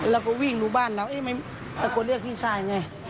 เราก็วิ่งดูบ้านเราตะโกนเรียกพี่ชายไง